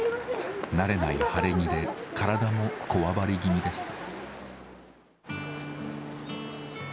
慣れない晴れ着で体もこわばり気味です。